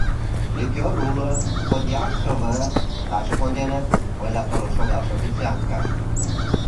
Ликер уло, коньяк «КВ», таче конденыт, — ойла толын шогалше официантка.